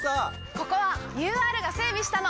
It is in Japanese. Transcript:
ここはＵＲが整備したの！